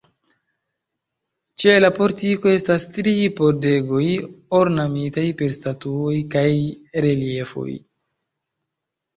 Ĉe la portiko estas tri pordegoj ornamitaj per statuoj kaj reliefoj.